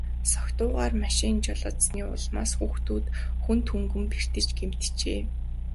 Согтуугаар машин жолоодсоны улмаас хүүхдүүд хүнд хөнгөн бэртэж гэмтжээ.